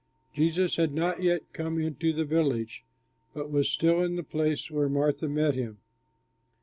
Jesus had not yet come into the village but was still in the place where Martha met him.